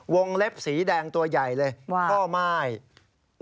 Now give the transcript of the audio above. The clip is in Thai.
วงเล็บสีแดงตัวใหญ่ผ้าไม้ไดร์